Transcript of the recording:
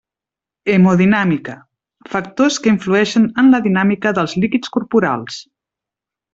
Hemodinàmica: factors que influeixen en la dinàmica dels líquids corporals.